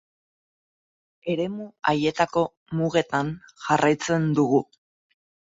Eremu haietako mugetan jarraitzen dugu.